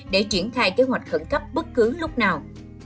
để triển khai kế hoạch khẩn cấp bất cứ lúc nào